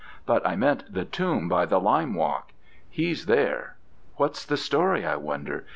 But I meant the tomb by the lime walk. He's there. What's the story, I wonder?